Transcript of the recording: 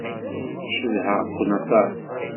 Cedhaɣ-ken aṭas.